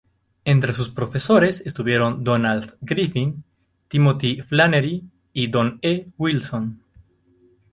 Entre sus profesores estuvieron Donald Griffin, Timothy Flannery y Don E. Wilson.